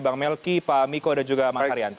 bang melki pak miko dan juga mas arianto